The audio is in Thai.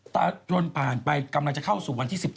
ตายนผ่านไปกำลังจะเข้าสู่วันที่๑๗